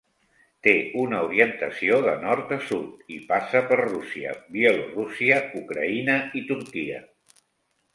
Té una orientació de nord a sud i passa per Rússia, Bielorússia, Ucraïna i Turquia.